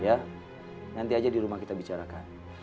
ya nanti aja di rumah kita bicarakan